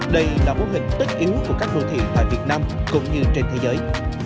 đây là mô hình tất yếu của các đô thị tại việt nam cũng như trên thế giới